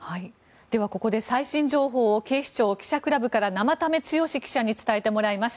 では、ここで最新情報を警視庁記者クラブから生田目剛記者に伝えてもらいます。